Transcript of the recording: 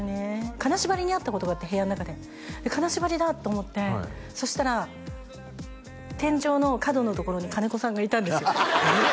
金縛りに遭ったことがあって部屋の中で金縛りだと思ってそしたら天井の角のところに金子さんがいたんですよえっ！？